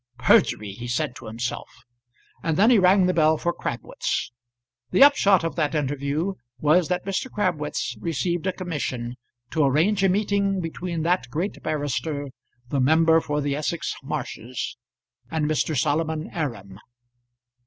"Perjury!" he said to himself, and then he rang the bell for Crabwitz. The upshot of that interview was that Mr. Crabwitz received a commission to arrange a meeting between that great barrister, the member for the Essex Marshes, and Mr. Solomon Aram.